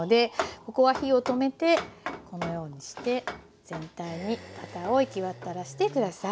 ここは火を止めてこのようにして全体にバターを行き渡らして下さい。